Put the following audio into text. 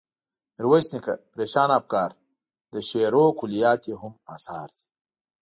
میرویس نیکه، پریشانه افکار، د شعرونو کلیات یې هم اثار دي.